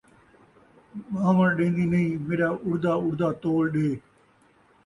ٻہوݨ ݙیندی نئیں، میݙا اُڑدا اُڑدا تول ݙے